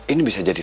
ini bisa jadi